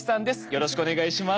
よろしくお願いします。